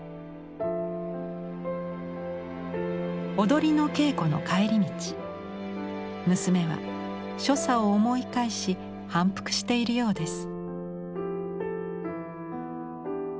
踊りの稽古の帰り道娘は所作を思い返し反復しているようです。